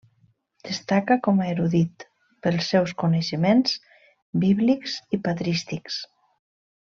Destaca com a erudit pels seus coneixements bíblics i patrístics.